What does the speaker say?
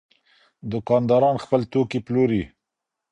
دوکانداران خپل توکي پلوري.